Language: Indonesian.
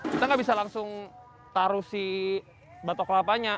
kita nggak bisa langsung taruh si batok kelapanya